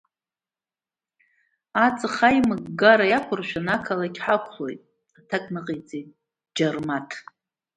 Аҵх аимыггара иақәыршәаны ақалақь ҳақәлоит, аҭак ныҟаиҵеит Џьармаҭ.